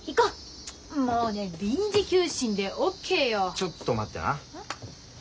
ちょっと待ってな。